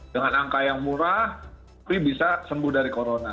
dengan angka yang murah tapi bisa sembuh dari corona